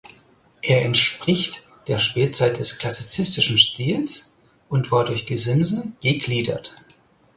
Er entspricht der Spätzeit des klassizistischen Stils und war durch Gesimse gegliedert.